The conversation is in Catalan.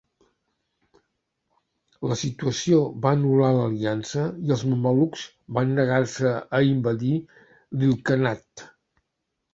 La situació va anul·lar l'aliança i els mamelucs van negar-se a invadir l'il-khanat.